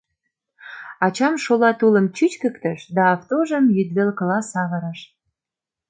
Ачам шола тулым чӱчкыктыш да автожым йӱдвелкыла савырыш.